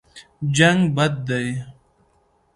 جنګ بد دی.